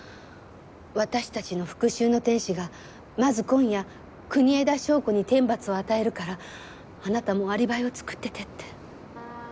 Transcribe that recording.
私たちの復讐の天使がまず今夜国枝祥子に天罰を与えるからあなたもアリバイを作っててって。